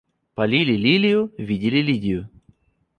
Полили лилию, видели Лидию.